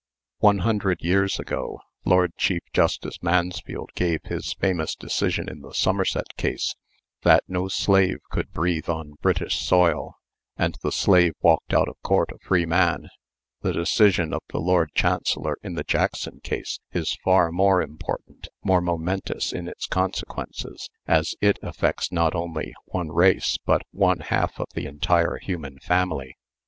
One hundred years ago, Lord Chief Justice Mansfield gave his famous decision in the Somerset case, "That no slave could breathe on British soil," and the slave walked out of court a free man. The decision of the Lord Chancellor, in the Jackson case, is far more important, more momentous in its consequences, as it affects not only one race but one half of the entire human family.